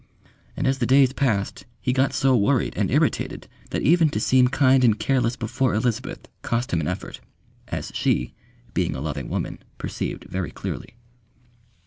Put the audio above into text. And as the days passed, he got so worried and irritated that even to seem kind and careless before Elizabeth cost him an effort as she, being a loving woman, perceived very clearly.